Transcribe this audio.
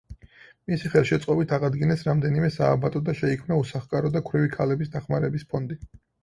მისი ხელშეწყობით აღადგინეს რამდენიმე სააბატო და შეიქმნა უსახლკარო და ქვრივი ქალების დახმარების ფონდი.